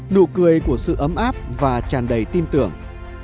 nụ cười của sự ấm áp và tràn đầy tin tưởng